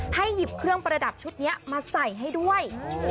หยิบเครื่องประดับชุดนี้มาใส่ให้ด้วย